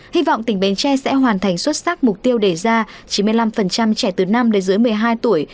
hy vọng tỉnh bến tre sẽ hoàn thành xuất sắc mục tiêu đề ra chín mươi năm trẻ từ năm đến dưới một mươi hai tuổi